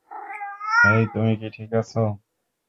হেই, তুমি কি ঠিক আছো?